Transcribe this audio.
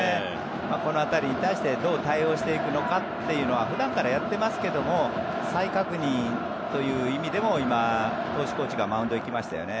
この辺りに対してどう対応していくのかというのは普段からやっていますけども再確認という意味でも今、投手コーチがマウンドに行きましたよね。